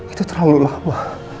itu terlalu lama